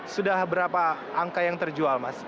sudah berapa angka yang terjual mas